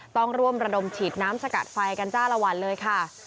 ต้องร่วมระดมฉีดน้ำสกัดไฟกันจ้าละวันเลยค่ะ